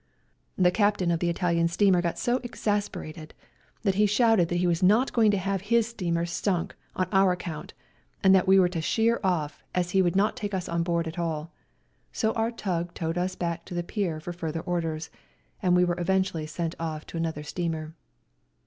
The Captain of the Italian steamer got so exasperated that he shouted that he 02 200 WE GO TO CORFU was not going to have his steamer sunk on our account, and that we were to sheer off, as he would not take us on board at all; so our tug towed us back to the pier for further orders, and we were eventually sent off to another steamer.